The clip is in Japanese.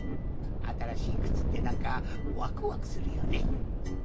あたらしいくつってなんかワクワクするよね。